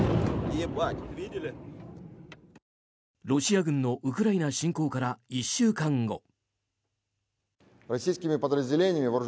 ロシア軍のウクライナ侵攻から１週間後。